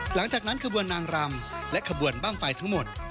หลังจากนั้นขบวนนางรำและขบวนบ้างไฟทั้งหมด